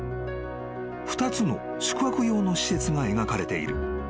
［２つの宿泊用の施設が描かれている］